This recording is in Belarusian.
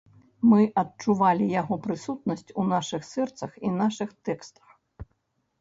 Мы адчувалі яго прысутнасць у нашых сэрцах і нашых тэкстах.